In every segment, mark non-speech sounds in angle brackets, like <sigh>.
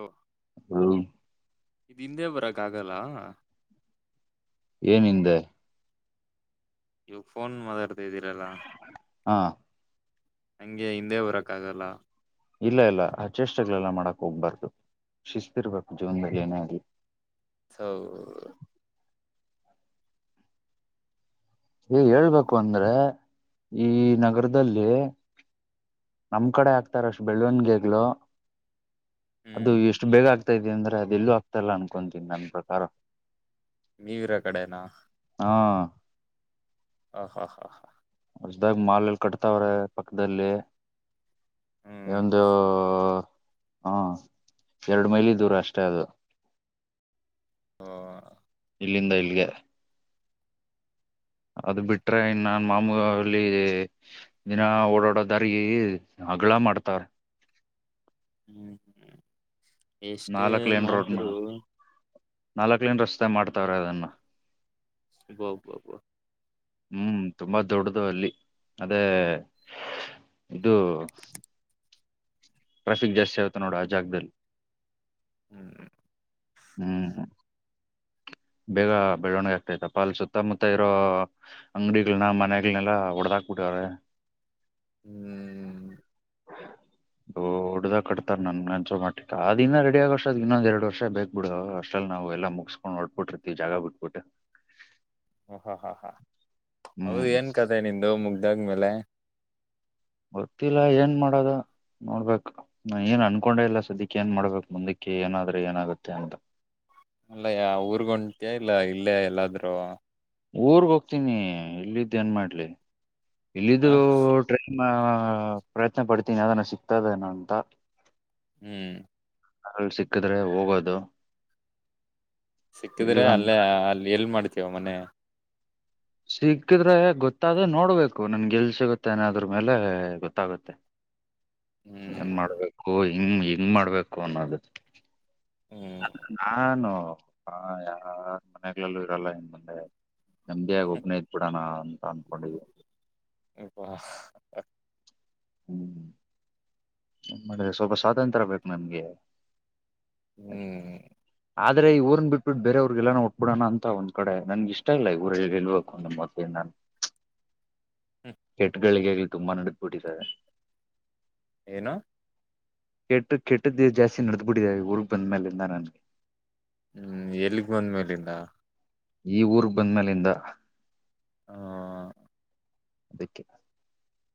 ಹಾ ಹ ಇದ ಹಿಂದೆ ಬರಕ್ಕ ಆಗಲ್ಲ ಏಮಂದ ಇವ ಫೋನ್ ಮದಾರದ ಇದ್ದೀರಲ್ಲ ಹಾ ಹಂಗೆ ಹಿಂದೆ ಹೊರಕ್ ಆಗಲ್ಲ ಇಲ್ಲ ಇಲ್ಲ ಆ ಚೇಷ್ಟೆಗಳೆಲ್ಲ ಮಾಡಕ್ ಹೋಗ್ಬಾರ್ದು ಶಿಸ್ತಿರ್ಬೇಕು ಜೀವನದಲ್ಲಿ ಏನೇ ಆಗ್ಲಿ ಹೌ ಏ ಹೇಳ್ಬೇಕು ಅಂದ್ರೆ ಈ ನಗರದಲ್ಲಿ ನಮ್ ಕಡೆ ಆಗ್ತಾರ ಅಷ್ಟು ಬೆಳ್ಳವನ್ಗೇಗ್ಗಳು ಅದು ಹ್ಮ್ ಎಷ್ಟು ಬೇಗ ಆಗ್ತಾ ಇದೆ ಅಂದ್ರೆ ಅದೆ ಎಲ್ಲೂ ಆಗ್ತಾಲ್ಲ ಅನ್ಕೊತೀನಿ ನನ್ನ ಪ್ರಕಾರ ಮೀವರ ಕಡೆನಾ ಹಾ ಹ ಹಾ ಹಾ ಹಾ ಹೊಸ್ದಾಗ ಮಾಲ್ ಎಲ್ಲಿ ಕಟ್ತಾವ್ರೆ ಪಕ್ಕದಲ್ಲಿ ಹ್ಮ್ ಒಂದು ಹಾ ಎರಡು ಮೈಲಿ ದೂರ ಅಷ್ಟೇ ಅದು ಹ ಇಲ್ಲಿಂದ ಇಲ್ಗೆ ಅದ ಬಿಟ್ರೆ ಇನ್ ನನ್ ಮಾಮೂ ಅಲ್ಲಿ ದಿನ ಓಡಾಡೋದಾರಿ ಅಗಳ ಮಾಡ್ತಾರೆ ಹ್ಮ್ ಹ್ಮ್ ಎಷ್ಟೇ ಮಾಡಿದ್ರು ನಾಲ್ಕ್ಲನ್ ರಸ್ತೆ ಮಾಡ್ತವ್ರ ಅದನ್ನು ವಾ ವಾ ವಾ ಹ್ಮ್ ತುಂಬಾ ದೊಡ್ಡದು ಅಲ್ಲಿ ಅದೇ ಇದು ಟ್ರಾಫಿಕ್ ಜಾಸ್ತಿ ಅಗುತ್ ನೋಡ್ ಅ ಜಾಗ್ದಲ್. ಹ್ಮ್ ಹ್ಮ್ ಬೇಗ ಬೆಳ್ವಣಿಗೆ ಆಗ್ತೈತಪ್ಪ ಸುತ್ತ ಮುತ್ತ ಇರೋ ಅಂಗಡಿಗಳ್ನ ಮನೆಗಳ್ನೆಲ್ಲ ಒಡದಾಕ್ಬಿಟ್ಟ. <unintelligible> ಹ್ಮ್ ಹ್ಮ ಓ ಹೊಡ್ದಾಗ್ ಕಡ್ತಾರ್ ನನ್ ಅಂಚೋಮಟ್ಟಿಗ ಆದಿನ್ನ ರೆಡಿ ಆಗ ಅಷ್ಟ್ರಲ್ ಇನ್ನೊಂದ ಎರಡು ವರ್ಷ ಬೆಕ್ ಬಿಡು ಅಷ್ಟಲ್ಲಿ ನಾವು - ಎಲ್ಲ ಮುಗಸ್ಕೊಂಡ್ ಹೊಡ್ಬಿಟ್ಟಿರ್ತಿವಿ ಜಾಗ ಬಿಟ್ಬಿಟ್ ಓ ಹಾ ಹಾ ಹಾ ಹ್ಮ್ ಹೌದುನ್ ಕತೆೆ ನಿಂದು ಮುಗ್ದಾದ್ಮೇಲೆ. ಗೊತ್ತಿಲ್ಲ ಏನ್ ಮಾಡೋದ. ನೋಡ್ಬೇಕ್ ನ ಏನ್ ಅನ್ಕೊಂಡೆ ಇಲ್ಲ ಸದ್ಯಕ್ಕೆ ಏನ್ ಮಾಡ್ಬೇಕು ಮುಂದಕ್ಕೆ ಏನಾದ್ರೆ ಏನಾಗುತ್ತೆ ಅಂತ. <unintelligible> ಇಲ್ಲಯ ಊರ್ಗ್ ಒಂಟ್ತ್ಯ ಇಲ್ಲ ಇಲ್ಲೇ ಎಲ್ಲಾದ್ರೂ. ಊರ್ಗ್ ಹೋಗ್ತೀನಿ ಇಲ್ಲಿದ್ದು ಏನ್ ಮಾಡ್ಲಿ ಇಲ್ಲಿದ್ದು ಟ್ರೈನ್. ನಾ ಪ್ರಯತ್ನ ಪಡ್ತೀನಿ ಯಾದನ ಸಿಗ್ತದೆನ ಅಂತ. ಹ್ಮ್ ಹಂಗ್ ಸಿಕ್ಕಿದ್ರೆ ಹೋಗೋದು. ಇಲ್ಲ ಸಿಕ್ಕಿದ್ರೆ ಅಂತ ಅಲ್ಲೇ ಅಲ್ಲಿ ಎಲ್ ಮಾಡ್ತೀಯಾ ಮನೆ. ಸಿಕ್ಕಿದ್ರೆ ಗೊತ್ತಾದ ನೋಡ್ಬೇಕು ನನ್ ಗೆಲ್ಸಗೊತ್ತೆ ಏನಾದ್ರು ಮೇಲೆ ಗೊತ್ತಾಗುತ್ತೆ. ಏನ್ ಹ್ಮ್ ಮಾಡ್ಬೇಕು ಹಂಗ ಹಿಂಗ್ ಮಾಡ್ಬೇಕು ಅನ್ನೋದು. ಹ್ಮ್ ನಾನು ಹಾ ಯಾರ್ ಮನೆಗಳ್ಲು ಇರಲ್ಲ ಇನ್ ಮುಂದೆ ನೆಮ್ ಇದ್ ಬಿಡಣ ಅಂತ ಅನ್ಕೊಂಡಿದಿನಿ. ಅಬ್ಬಾ. ಹ್ಮ್ ಮತ್ತೆ ಸ್ವಲ್ಪ ಸ್ವಾತಂತ್ರ ಬೇಕು ನನ್ಗೆ. ಹ್ಮ್ ಆದ್ರೆ ಈ ಊರನ್ ಬಿಟ್ಬಟ್ಟು ಬೇರೆವ್ರರಿಗೆಗೆಲ್ಲಾನ ಒಟ್ಬಿಡಣ ಅಂತ ಒಂದ್ ಕಡೆ ನನ್ ಇಷ್ಟ ಈ ಊರಲ್ ಹ್ಮ್ <unintelligible> ಕೆಟ್ಗಳಿಗಳ್ ತುಂಬಾ ನಡದಬಿಟ್ಟಿದ್ದೆ. ಏನು ಕೆಟ್ಟು ಕೆಟ್ಟದ್ದು ಜಾಸ್ತಿ ನಡ್ದಬಿಟ್ಟಿದೆ ಈ ಊರ್ಗ್ ಬಂದ್ಮೇಲಿಂದ ನನ್ ಹ್ಮ್ ಎಲ್ಲಿಗ್ ಬಂದ್ ಮೇಲಿಂದ. ಈ ಊರ್ಗ್ ಬಂದ್ಮಲಿಂದ. ಹ ಅದಕ್ಕೆ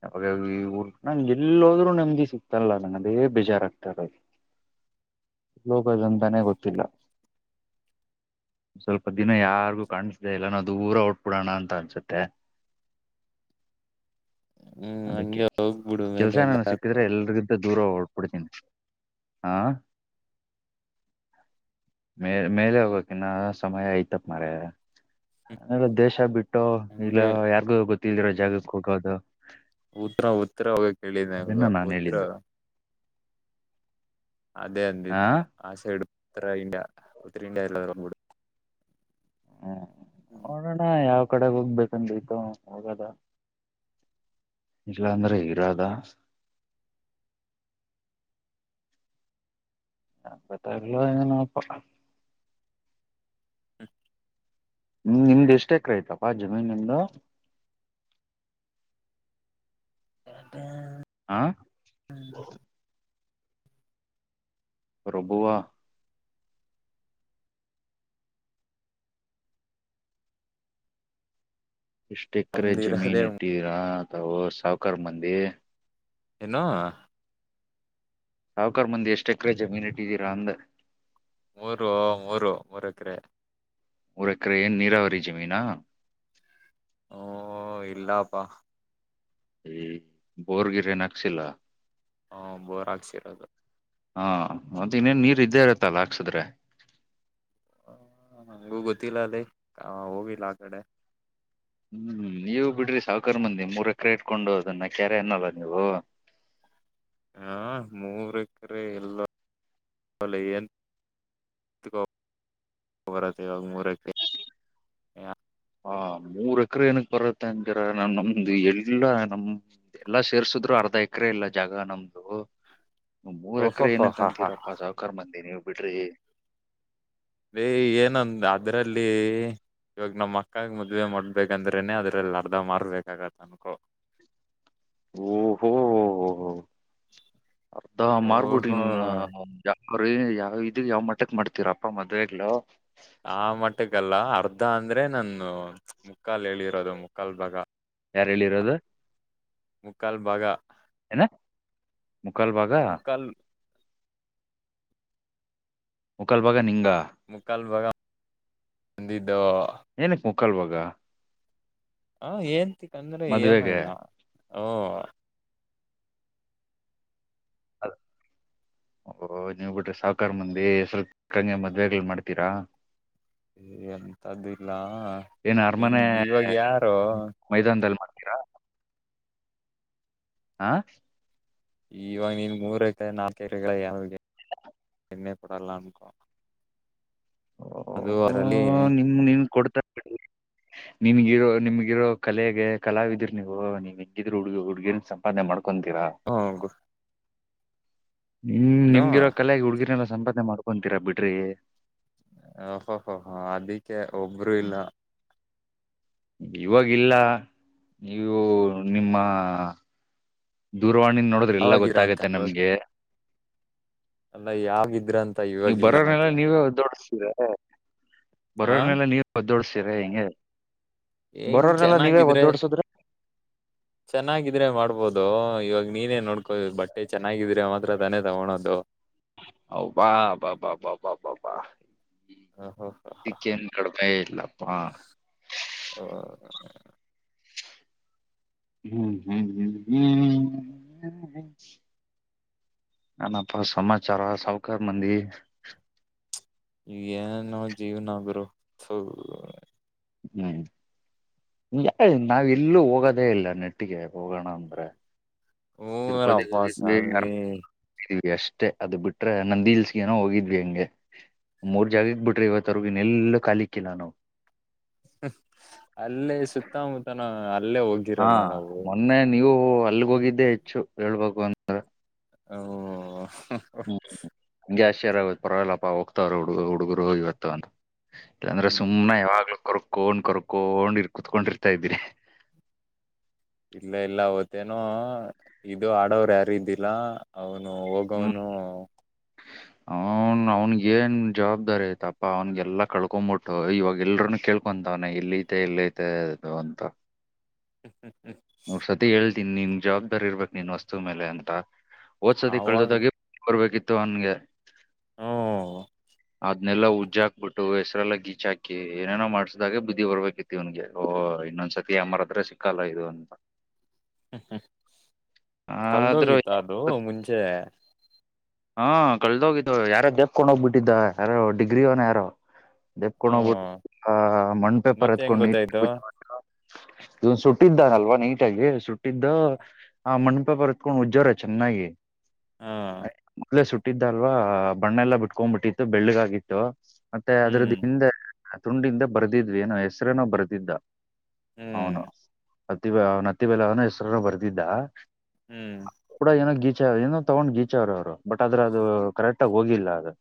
<unintelligible> ಬಟ್ನಲ್ ಎಲ್ಲೋದ್ರು ನೆಮ್ದಿ ಸಿಗ್ತಇಲ್ಲ ನಂಗ್ ಅದೇ ಬೇಜಾರ್ ಅಗ್ತಾಇರದು. <inaudible> ಲೋಗದಂತಾನೇ ಗೊತ್ತಿಲ್ಲ. ಸ್ವಲ್ಪ ದಿನ ಯಾರ್ಗು ಕಾಣಸ್ದೇ ಇಲ್ಲನಾ ದೂರ ಉಟ್ಬಿಡೋಣ ಅಂತ ಅನ್ಸುತ್ತೆ. ಹ್ಮ್ ಅದಿಕ್ಕೆ ಹಂಗೆ ಹೋಗ್ಬಿಡು ಕೆಲ್ಸ ಮೇಲೆ ಎನಾನ ಎಲ್ಲಾದ್ರೂ ಸಿಕ್ಕುದ್ರೆ ಎಲ್ರಿಗಿಂತ ದೂರ ಹೊಟ್ಬಿಡ್ತಿನಿ ಹಾ. ಮೇ ಮೇಲೆ ಹೋಗಕ್ ಇನ್ನ ಸಮಯ ಐತಪ್ ಮಾರಯ. ಅಲ್ಲ ದೇಶ ಬಿಟ್ಟು ಇಲ್ಲ ಹಂಗೆ ಯಾರ್ಗೂ ಗೊತ್ತಲ್ದಿರೋ ಜಾಗಕ್ಕೆ ಹೋಗೋದು. ಉತ್ರ ಉತ್ರ ಬೇಕ್ ಹೇಳಿ ಅದನ್ನ ನನ್ಗು ನಾನ್ ಉತ್ರ ಹೇಳಿದ್ದು ಅದೇ ಅಂದಿದ್ನು ಆ ಸೈಡ್ ಉತ್ರ ಇಂಡಿಯಾ ಉತ್ರ ಇಂಡಿಯ ಇಲ್ಲ್ ಬಿಡು. ಹ್ಮ್ ನೋಡೋಣ ಯಾವ್ ಕಡೆ ಹೋಗ್ಬೇಕಂದ್ ಐತೊ ಹೋಗದ. ಇಲ್ಲಅಂದ್ರೆ ಇರದ. ಹ ಮತ್ ಹಗ್ಲು ಎನೊಪ್ಪ. ಹ್ಮ ಹ್ಮ್ ನಿಮ್ದ್ ಎಷ್ಟ್ ಎಕ್ರೆ ಐ್ತಪಾ ಜಮೀನ್ ನಿಂದು. <unintelligible> ಹ್ಹಾ. ಪ್ರಬು ವ. ಎಸ್ಟ್ ಎಕರೆ ಜಮೀನ ನಮ್ದಿರದೇ ಇಟ್ಟಿರಾ ಅಥವು ಸಾವಕರ್ ಮಂದಿ. ಏನು. ಸಾವಕಾರ ಮಂದಿ ಎಷ್ಟು ಎಕ್ರೇ ಜಮೀನ್ ಇಟ್ಟಿದೀರಾ ಅಂದೇ. ಮೂರು ಮೂರು ಮೂರೆಕ್ರೆ. ಮೂರೇಕ್ರೆ ಏನ್ ನೀರಾವರಿ ಜಮೀನಾ. ಓಹ್ ಇಲ್ಲಾಪಾ. ಏ ಬೋರ್ ಗಿರ್ ಏನ್ ಹಾಕ್ಸಿಲ್ಲ. ಹಾ ಬೋರ್ ಹಾಕ್ಸಿರೋದು. ಹಾ ಮತ್ತೇನ ನೀರ್ ಇದ್ದೇ ಇರತ್ತಲ್ಲ ಹಾಕ್ಸಿದ್ರೆ. ಹ ನಂಗೂ ಗೊತ್ತಿಲ್ಲ ಅಲ್ಲಿ ಆ ಹೋಗಿಲ್ಲ ಆ ಕಡೆ. ಹ್ಮ್ ನೀವು ಬಿಡ್ರಿ ಸಾವಕಾರ ಮಂದಿ ಮೂರ್ ಎಕರೆ ಇಟ್ಕೊಂಡು ಅದನ್ನ ಕ್ಯಾರೆ ಅನ್ನಲ್ಲ ನೀವು. <inaudible> ಹಾ ಮೂರ್ ಎಕರೆ ಇಲ್ಲ. <unintelligible> ಬೋರ್ ಅದೇ ಮೂರ್ ಎಕರೆ. ಹ ಮೂರ್ ಎಕರೆ ಏನಕ್ ಬರತ್ತೆ ಅಂತೀರಾ ನಾ ನಮ್ದು ಎಲ್ಲಾ ನಮ್ ಎಲ್ಲ ಸೇರ್ಸಿದ್ರು. ಅರ್ದ ಎಕ್ರೆ ಇಲ್ಲ ಜಾಗ ನಮ್ದು. ಮೂರ್ ಓಹೋ ಎಕರೆ ಹೋ ಹಾ ಹಾ ಏನಕ್ಕಂತೀರಪ್ಪಾ ಸಾವಕಾರ್ ಮಂದಿ ನೀವ್ ಬಿಡ್ರಿ. ಹೇ ಏನಂದ ಅದ್ರಲ್ಲಿ. ಇವಾಗ ನಮ್ಮ್ ಅಕ್ಕಾಗ ಮದ್ವೆ ಮಾಡ್ಬೇಕಂದ್ರೆನೆ ಅದ್ರಲ್ಲಿ ಅರ್ಧ ಮಾರ್ಬೇಕಾಗತ್ತ ಅನ್ಕೋ. ಓ ಹೋ ಹೋ ಅರ್ಧ ಮಾರ್ಬಿಡಿ ಓಹೋ ನಾ. ಅವ್ರ ಯಾವ ಇದ ಯಾವ್ ಮಟ್ಟಕ್ ಮಾಡ್ತೀರಪ್ಪ ಮದ್ವೆಗ್ಲು. ಆ ಮಟ್ಟಗಲ್ಲ ಅರ್ಧ ಅಂದ್ರೆ ನನ್ನ ಮುಕ್ಕಾಲ್ ಹೇಳಿರೋದು ಮುಕ್ಕಾಲ್ ಬಾಗ. ಯಾರ ಹೇಳಿರೋದು. ಬಾಗ. ಏನು ಮುಕ್ಕಾಲ್ ಭಾಗ. ಮುಕ್ಕಾಲ್ ಮುಕಲ್ ಭಾಗ ನಿಂಗ. ಮುಕ್ಕಾಲ್ ಬಾಗ ಹಂದಿದ್ದು. ಏನಕ್ ಮುಕ್ಕಾಲ್ ಭಾಗ. ಹ ಏನ್ಂತಿಕಂದ್ರೆ ಮದ್ವೆಗೆ ಏನನ ಓ. <unintelligible> ಓ ನೀವ್ ಬಿಡ್ರಿ ಸಾವಕಾರ ಮಂದಿ ಸ್ವಲ್ಪ ಕಂಗೆ ಮದುವೆಗಳು ಮಾಡ್ತೀರಾ. ಏನಂದು ಇಲ್ಲ ಏನ್ ನಿನ್ ಅರಮನೆ ಇವಾಗ ಯಾರು. ಏನ ಹ್ಹ. ಇವಾಗ ನೀನ್ ಮೂರ ಎಕ್ರೆ ನಾಲ್ಕ ಎಕ್ರೆ ಯಾವ್ <unintelligible> ಹೆಣ್ಣೆ ಕೊಡಲ್ಲ ಅನ್ಕೊ. ಓಹ್ ಓಹ್ ನಿಮ ನಿಂಗ ಕೊಡ್ತಾರ ಬಿಡ್ರಿ. ನಿಮಗಿರೋ ನಿಮಗಿರೋ ಕಲೆಗೆ ಕಲಾವಿದಿರ ನೀವು ನೀವ್ ಹೆಂಗಿದ್ರ ಹುಡ್ಗಿ ಹುಡ್ಗಿರಾ ಸಂಪಾದನೆ ಮಾಡ್ ಕೊಂತಿರ. ಹ್ಮ ನಿಮ ಇನ್ನು ನಿಮ್ಗಿರೋ ಕಲೆಗ ಹುಡ್ಗಿರ್ನೆಲ್ಲ ಸಂಪಾದನೆ ಮಾಡ್ಕೊತೀರಾ ಬಿಡ್ರಿ. ಹೋ ಹೋ ಹ ಅದಕ್ಕೆ ಒಬ್ರು ಇಲ್ಲ. ಇವಾಗಿಲ್ಲ ನೀವು ನಿಮ್ಮ. ದೂರವಾಣಿ ನೋಡಿದ್ರೆ ಎಲ್ಲಾ ಯಾವಾಗಿರ ಅಂತ ಗೊತ್ತಾಗುತ್ತೆ ಇವಾಗ ನಮ್ಗೆ. ಅಲ್ಲ ಯಾವಾಗಿದ್ರ ಅಂತ ನೀವು ಇವಾಗಿಲ್ಲ ಬರೋನ್ನೆಲ್ಲಾ ನಾಕೆ ನೀವೇ ಒದ್ದು ಒಡ್ಸ್ತೀರಾ. <unintelligible> ಹ ಬರೋರ್ನೆಲ್ಲ ನೀವೇ ಒದ್ದೋಡ್ಸೀರ ಹೆಂಗೆ. ಹೆಂಗ್ ಬರೋರ್ನಲ್ಲ ನೀವೇ ಚೆನ್ನಾಗಿದ್ರೆ ಒದ್ದೋಡಿಸಿದ್ರೆ. ಚೆನ್ನಾಗಿದ್ರೆ ಮಾಡ್ಬೋದು ಇವಾಗ ನೀನೇ ನೋಡ್ಕೋ ಬಟ್. ಅೇ ಚೆನ್ನಾಗಿದೀರಾ ಮಾತ್ರ ತಾನೇ ತಗೋಳೋದು. ಹ ಬಾ ಬಾ ಬಾ ಬಾ ಬಾ ಬಾ ಬಾ. ಹ್ಮ್ ಓಹೋ ಇದಕ್ಕೇನ್ ಕಡಿಮೇ ಇಲ್ಲಪ್ಪಾ. ಹ್ಮ್ ಹ್ಮ್ ಹ. ನನಪ್ಪ ಸಮಾಚಾರ ಸಹಕ ಮಂದಿ. ಏನುೋ ಜೀವನ ಆಗ್ರ. ಹ್ಮ. ನಾವ್ ಎಲ್ಲೂ ಹೋಗೋದೇ ಇಲ್ಲ ನೆಟ್ಟಿಗೆ ಹೋಗೋಣ ಅಂದ್ರೆ. ತಿರುಪತಿ ಹೂನಪ್ಪ ಹೋಗಿದ ಯಾರ. ಸ್ವಾಮಿ ಅಷ್ಟೇ ಅದು ಬಿಟ್ರೆ ನಂದ ದೀಲ್ಸ್ಗನೋ ಹೋಗಿದ್ವಿ ಹೆಂಗೆ. ಮೂರ್ ಜಾಗಗ್ ಬಿಟ್ರಿ ಇವತ್ವರ್ಗಿನ ಎಲ್ಲ ಕಾಲಿಕ್ಕಿಲ್ಲ ನಾವು. ಅಲ್ಲೇ ಸಕ್ುತ್ತ ಮೂತಾನ. ಹಾ ಮೊನ್ನೆ ನೀವು ಅಲ್ಲಿಗೋಗಿದ್ದೆ ಹೆಚ್ಚು ಹೇಳ್ಬೇಕು ಅಂದ್ರ. ಓ ಹ್ಮ ಗ್ಯಾಸ್ರ್ ಪರವಾಗಿಲ್ಲಪ್ಪ ಹೋಗ್ತವ ಹುಗ ಹುಡುಗರು ಇವತ್ತಂತ ಇಲ್ಲಾಂದ್ರೆ ಹ್ಮ ಸುಮ್ನೆ ಯಾವಾಗ್ಲೂ ಗರು ಕೋೊಂಡ್ ಕರ್ಕೋೊಂಡ್ ಇರ್ ಕುೂತ್ಕೊಂಡಿರ್ತಾ ಇದ್ದೀರಿ ಇಲ್ಲ ಇಲ್ಲ ಅವತ್ತೇನುೋ ಇದು ಆಡೋರು ಯಾರ ಇದಿಲ್ಲ ಅವನು ಹೋಗವನು ಅವನ್ ಅವನ್ಗ ಏನ್ ಜವಾಬ್ದಾರಿ ಆಯ್ತಪ್ಪಾ ಅವನ್ಗೆಲ್ಲಾ ಕಳ್ಕೊಂಬಿಟ್ಟು ಇವಾಗ ಎಲ್ರನು ಕೇಳ ತಿಕೊಂತವನ ಇಲ್ಲಿ ಐತೆ ಇಲ್ಲ ಐತೆ ಅದು ಅಂತ ಹ್ಮ್ ಹ್ಮ್ ಹ್ಮ್ ನ ಸತಿ ಹೇಳ್ತೀನಿ ನಿನ್ ಜವಾಬ್ದಾರಿ ಇರ್ಬೇಕೇಕ್ ನಿನ್ ವಸ್ತು ಮೇಲೆ ಅಂತ ಓದ್ಸತಿ ಆವಾಗ ಕಳ್ದದಾಗಿ ಬರ್ಬೇಕಿತ್ತು ಅವನ್ಗೆ ಹ್ಮ ಅದ್ನೆಲ್ಲಾ ಉಜ್ಜ ಹಾಕ್ಬಿಟ್ಟು ಹೆಸ್ರಲ್ಲ ಗೀಚ್ ಹಾಕಿ ಏನೇನೋ ಮಾಡ್ಸಿದಾಗೆ ಬಿದ್ದಿ ಬರ್ಬೇಕಿತಿ ಇವ್ಗೆ ಇನ್ನೊಂದ್ ಸತಿ ಅಮ್ಮರ್ದ್ರೆ ಸಿಕ್ಕಲ್ಲ ಇದು ಅಂತ ಹ್ಮ ಹ್ಮ್ ಆದ್ರೂ ಕಲ್ದೋಗಿತ್ತಾ ಯಾರ್- ಅದು ಮುಂಚೆ ಹಾ ಕಳದೋಗಿದ್ದು ಯಾರೋ ಜೇಪ್ಕೊಂಡ ಹೋಗ್ಬಿಟ್ಟಿದ್ದ ಯಾರೋ ಡಿಗ್ರಿ ಅವನ ಯಾರೋ ದೆಪ್ಕೊಂಡ್ ಹೋಗ್ಬಿಟ್ಟು ಹ್ಮ್ ಮಣ್ ಪೇಪರ್ ಮತ್ತೆ ಹೆಂಗ್ ಎತ್ಕೊಂಡ್ ನೀ ಗೊತ್ತಾಯ್ತು ಇದನ್ ಸುಟ್ಟಿದ್ದಾನಲ್ವ ನೀಟಾಗಿ ಸುಟ್ಟಿದ್ದ ಆ ಮಣಪ ಬರ್ತ್ಕೊಂಡ್ ಉಜ್ಜರ ಚೆನ್ನಾಗಿ ಹಾ ೇ ಸುಟ್ಟಿದ್ದ ಅಲ್ವಾ ಬಣ್ಣೆಲ್ಲ ಬಿಟ್ಕೊಂಡ್ಬಿಟ್ಟಿತ್ತು ಬೆಳ್ಳಗ್ಾಗಿತ್ತು ಮತ್ತೆ ಅದ್ರದ ಹ್ಮ್ ಹಿಂದೆ ತುಂಡಿಂದ ಬರ್ದಿದ್ವಿ ಏನೋ ಹೆಸ್ರೇನೋ ಬರ್ದಿದ್ದ ಹ್ಮ್ ಅವನು ಅತ್ತಿ ಅವ್ನತ್ತಿ ಬೆಲ ಅವನ ಹೆಸರುರು ಬರ್ದಿದ್ದ ಹ್ಮ್ ಕೂಡ ಏನೋ ಗೀ ಏನೋ ತಗೊಂಡ್ ಗೀಚ ಅವ್ರ ಅವ್ರು ಬಟ್ ಆದದ್ರ ಅದು ಕರೆಕ್ಟ್ ಆಗ ಹೋಗಿಲ್ಲ ಅದು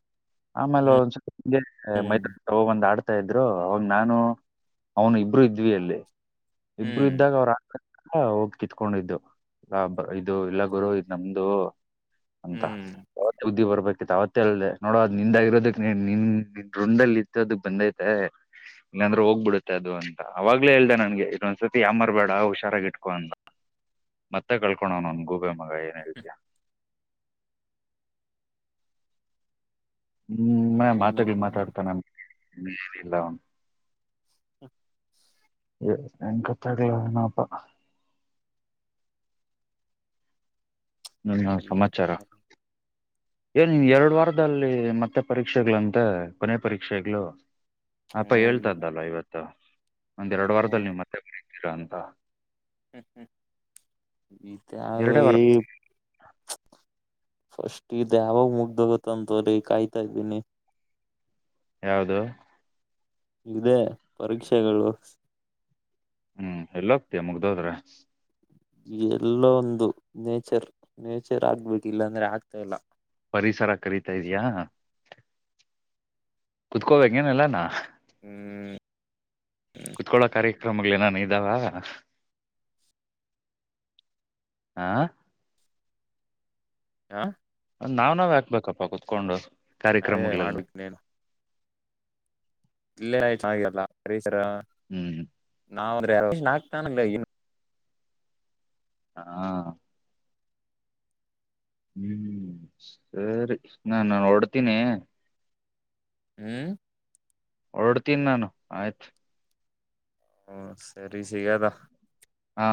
ಆಮೇಲೆ ಒಂದ್ ಸ್ವಲ್ಪ ಮೈ ಹ್ಮ್ ಒಂದ ಆಡ್ ಆತ ಇದ್ರು ಅವನ್ ನಾನು ಅವನು ಇಬ್ರುೂ ಇದ್ವಿ ಅಲ್ಲಿ ಇಬ್ರು ಹ್ಮ್ ಇದ್ದಾಗ ಅವ್್ರ ಆ ಹ ಹೋಗ್ ಕಿತ್ಕೊಂಡಿದ್ದು ಇದು ಇಲ್ಲ ಗುರು ಇದ್ ನಮ್ದು ಹ್ಮ್ ಬುದ್ದಿ ಬರ್ಬೇಕಿತ್ ಅವತ್ತೇ ಅಲ್ದೆ ನೋಡೋ ಅದ್ ನಿಂದಾಗಿರೋದಕ್ ನಿನ್ ನಿನ್ ರುಂಡಲ್ಲಿ ಇತ್ತೋದಕ್ ಬಂದೈತೆ ಇಲ್ಲಾಂದ್ರೆ ಹೋಗ್ಬಿಡುತ್ತೆ ಅದು ಅಂತ ಅವಾಗ್ಲೇ ಹೇಳ್ದ ನನ್ಗೆ ಇದೊಂದ್ಸರ್ತಿ ಯಾವ ಮಾರ್ಬೇಡ ಹುಷಾರಾಗಿ ಇಟ್ಕೊ ಅಂತ ಮತ್ತೆ ಕಳ್ಕೋಣ ನನ್ ಗೂಬೆ ಮಗ ಏನ್ಿದಯಾ ಹ್ಮ್ ಮ ಮಾತಾಗ ಹ್ಮ್ ಮಾತಾಡ್ತಾನ ಎಲ್ಲ ಹ್ಮ ಎಂಗತಡಲಣಪ ನನ್ನ ಸಮಾಚಾರ ಏನ್ನ್ ಎರಡು ವಾರದಲ್ಲಿ ಮತ್ತೆ ಪರೀಕ್ಷೆಗ್ಗಳಂತೆ ಕೊನೆ ಪರೀಕ್ಷೆಗ್ಗಳು ಅಪ್ಪ ಹೇಳ್ತಾ ಇದ್ದಲ್ಲ ಇವತ್ತು ಒಂದ್ೆರಡು ವಾರದಲ್ಲಿ ನೀವು್ ಮತ್ತೆ ಬತೀರಾ ಅಂತ ಹ ಈತ್ತ ಎರಡೇ ಈ ವಾರ ಫಸ್ಟ್ ಇದು ಯಾವ ಮುಗ್ದ ಗೊತ್ತಂತ ರೀ ಕಾಯ್ತಾ ಇದ್ದೀನಿ ಯಾವದು ಇದೇ ಪರೀಕ್ಷೆಗಳು ಹ್ಮ್ ಎಲ್ಲ ಹೋಗ್ತಯ ಮುಗ್ದೋದ್ರ ಎಲ್ಲ ಒಂದು ನೇಚರ್ ನೇಚರ್ ಆಗ್ಬೇಕ ಇಲ್ಲಾಂದ್ರೆ ಆಗ್ತಾ ಇಲ್ಲ ಪರಿಸರ ಕರತಾ ಇದ್ಯಾಾ ಕುತ್ಕೋಬೇಕ ಏನಲ್ಲಾನ ಹ ಕುತ್ಕಳೋ ಕಾರ್ಯಕ್ರಮಗಳೇನಾನ ಇದ್ದಾವ ಆಾ ಹಾ ನಾವು ನಾವವು ಯಾಕಬೇಕಪ್ಪ ಕುತ್ಕೊಂಡು ಅದೇ ಕಾರ್ಯಕ್ರಮಗಳೆಲ್ಲ ಮಾಡ್ಬೇಕುೇನು ಇಲ್ಲೇ ಆಯ್ತು ಹಾಗಲ್ಲ ಹ್ಮ್ ಹ್ಮ್ ನಾವಂದ್ರೆ ವರ್ಷಗ್ತಾನಲ್ಲ ಹಾ ಹ್ಮ್ ಸರಿ ನಾ ನಾನು ಹೊಓಡ್ತೀನಿ ಹ್ಮ್ ಹೊೋಡ್ತೀನಿ ನಾನು ಆಯ್ತ್ು ಹ್ಮ ಸರಿ ಸಿಗದಾ ಹಾ